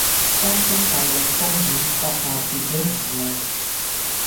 當中大量風險，閣下自己衡量